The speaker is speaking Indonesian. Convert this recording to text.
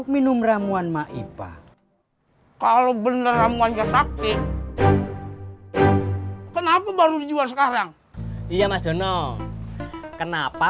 minum ramuan maipa kalau beneran wajah sakit kenapa baru jual sekarang iya mas jono kenapa